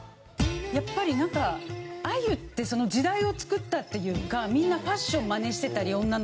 やっぱりなんかあゆって時代を作ったっていうかみんなファッションまねしてたり女の子が。